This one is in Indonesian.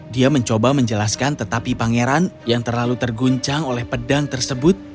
dia mencoba menjelaskan tetapi pangeran yang terlalu terguncang oleh pedang tersebut